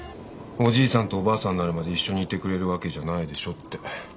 おじいさんとおばあさんになるまで一緒にいてくれるわけじゃないでしょって。